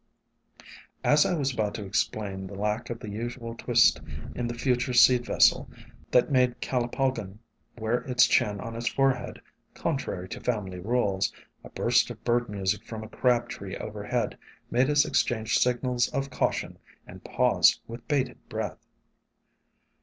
As I was about to explain the lack of the usual twist in the future seed vessel that made Calopo gon wear its chin on its forehead, contrary to family rules, a burst of bird music from a Crab tree overhead made us exchange signals of caution, and pause with bated breath.